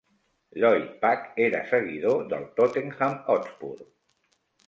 Lloyd-Pack era seguidor del Tottenham Hotspur.